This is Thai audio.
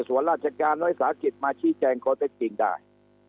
สวรรค์ราชการน้อยศาขีศมาชี้แจงก็ได้จริงได้